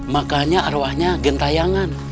makanya arwahnya gentayangan